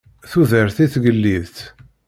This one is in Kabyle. Tudert i tgellidt!